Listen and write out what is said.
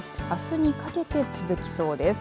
あすにかけて続きそうです。